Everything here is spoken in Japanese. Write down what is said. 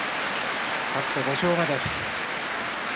勝って５勝目です。